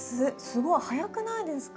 すごい早くないですか？